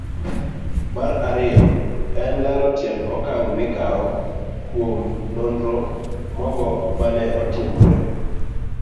Mar ariyo en lero tiend okang' mikawo kuom nonro mogo manene otimore